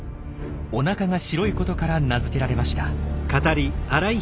おなかが白いことから名付けられました。